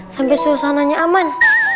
sampai selesainya aman